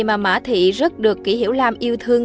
mã thị rất được kỷ hiểu lam yêu thương